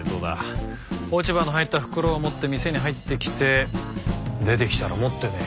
落ち葉の入った袋を持って店に入ってきて出てきたら持ってねえ。